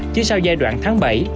chỉ sau giai đoạn tháng bảy